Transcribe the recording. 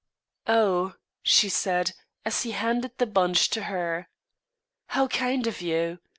"Oh!" she said, as he handed the bunch to her, "how kind of you.